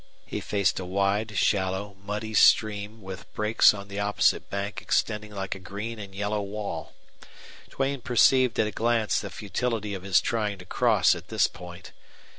He faced a wide, shallow, muddy stream with brakes on the opposite bank extending like a green and yellow wall. Duane perceived at a glance the futility of his trying to cross at this point.